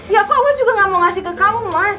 ya kok aku juga gak mau ngasih ke kamu mas